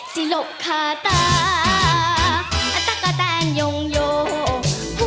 จบก็แล้ว